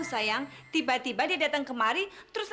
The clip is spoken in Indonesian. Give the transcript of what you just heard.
gue udah bahasa inggris sih